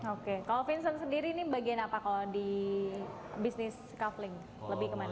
oke kalau vincent sendiri ini bagian apa kalau di bisnis couveling lebih kemana